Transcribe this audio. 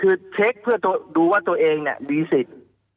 คือเช็คเพื่อดูว่าตัวเองเนี่ยมีสิทธิ์